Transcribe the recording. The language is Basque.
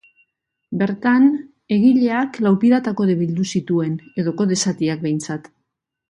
Bertan, egileak lau pirata-kode bildu zituen, edo kode zatiak behintzat.